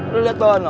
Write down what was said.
lu liat tau anu